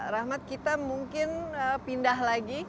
rahmat kita mungkin pindah lagi